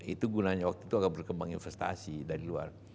itu gunanya waktu itu akan berkembang investasi dari luar